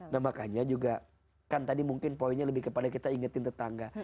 nah makanya juga kan tadi mungkin poinnya lebih kepada kita ingetin tetangga